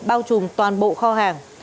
bao trùm toàn bộ kho hàng